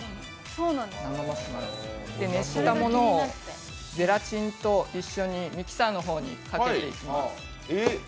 熱したものをゼラチンと一緒にミキサーにかけていきます。